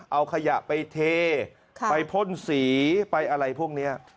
เอาขยะไปเทไปพ่นสีไปอะไรพวกนี้